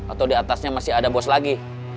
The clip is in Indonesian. atau di atasnya masih ada bos lagi